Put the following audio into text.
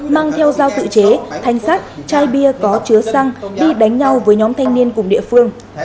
mang theo dao tự chế thanh sắt chai bia có chứa xăng đi đánh nhau với nhóm thanh niên cùng địa phương